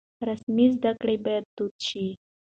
رسمي زده کړې بايد دود شي.